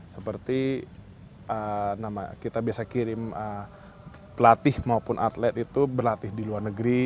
seperti kita biasa kirim pelatih maupun atlet itu berlatih di luar negeri